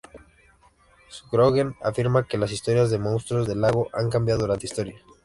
Sjögren afirma que las historias de monstruos de lago han cambiado durante historia.